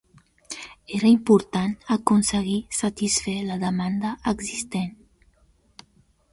Era important aconseguir satisfer la demanda existent.